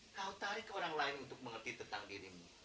kau tarik ke orang lain untuk mengerti tentang dirimu